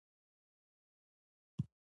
د معدې درد مو مخکې له ډوډۍ وي که وروسته؟